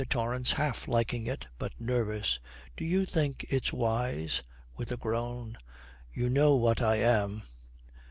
TORRANCE, half liking it, but nervous, 'Do you think it's wise?' With a groan, 'You know what I am.'